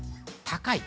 高い。